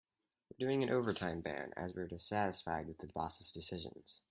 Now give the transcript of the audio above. We are doing an overtime ban as we are dissatisfied with the boss' decisions.